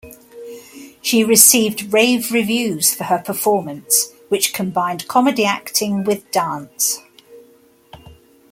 She received rave reviews for her performance, which combined comedy acting with dance.